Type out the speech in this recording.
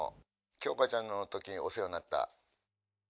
鏡花ちゃんのときにお世話になった。